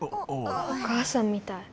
おかあさんみたい。